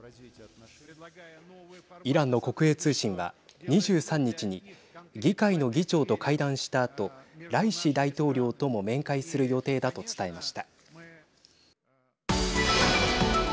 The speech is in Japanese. イランの国営通信は２３日に議会の議長と会談したあとライシ大統領とも面会する予定だと伝えました。